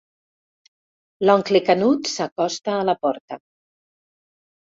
L'oncle Canut s'acosta a la porta.